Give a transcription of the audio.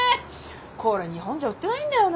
これ日本じゃ売ってないんだよね。